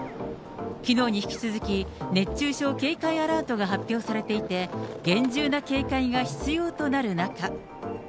きのうに引き続き、熱中症警戒アラートが発表されていて、厳重な警戒が必要となる中。